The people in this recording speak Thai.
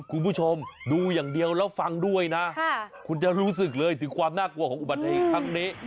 คุณผู้ชมดูอย่างเดียวแล้วฟังด้วยนะคุณจะรู้สึกเลยถึงความน่ากลัวของอุบัติเหตุครั้งนี้